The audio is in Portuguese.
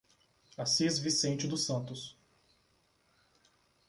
Assis Vicente dos Santos